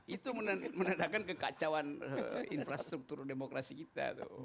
itu menandakan kekacauan infrastruktur demokrasi kita